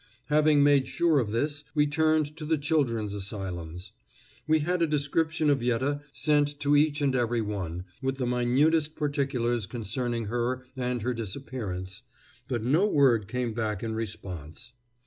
Having made sure of this, we turned to the children's asylums. We had a description of Yette sent to each and every one, with the minutest particulars concerning her and her disappearance, but no word came back in response.